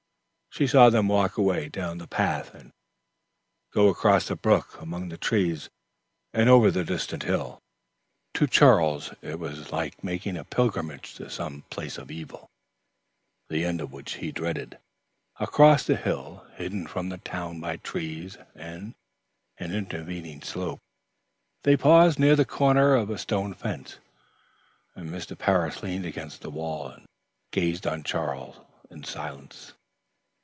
She saw them walk away down the path and go across the brook among the trees and over the distant hill. To Charles, it was like making a pilgrimage to some place of evil, the end of which he dreaded. Across the hill, hidden from the town by trees and intervening slope, they paused near the corner of a stone fence, and Mr. Parris leaned against the wall and gazed on Charles in silence.